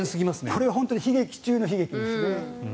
これは本当に悲劇中の悲劇ですね。